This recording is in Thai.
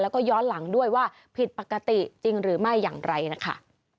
แล้วก็ย้อนหลังด้วยว่าผิดปกติจริงหรือไม่อย่างไรนะคะ